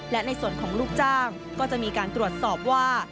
และในส่วนของลูกจ้างก็จะมีการตรวจสอบว่า